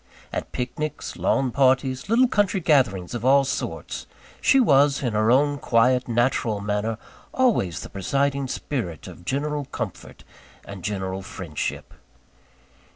At picnics, lawn parties, little country gatherings of all sorts, she was, in her own quiet, natural manner, always the presiding spirit of general comfort and general friendship.